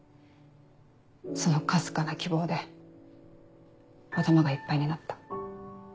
そのかすかな希望で頭がいっぱいになった。